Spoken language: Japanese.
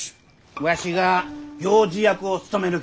わしが行司役を務めるき。